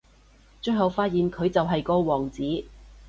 最後發現佢就係個王子